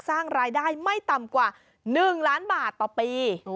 สร้างรายได้ไม่ต่ำกว่า๑ล้านบาทต่อปี